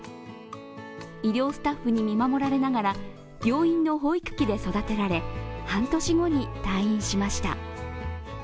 医療スタッフに見守られながら病院の保育器で育てられ半年後に退院しました。